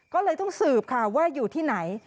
ก็เลยต้องสืบค่ะว่าอยู่ที่ไหน